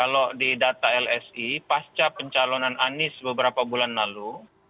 kalau di data lsi pasca pencalonan anies beberapa bulan lalu